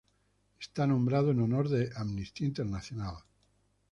Está nombrado en honor de Amnistía Internacional.